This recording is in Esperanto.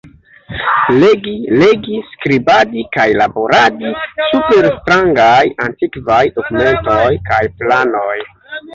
Legi, legi, skribadi kaj laboradi super strangaj, antikvaj dokumentoj kaj planoj.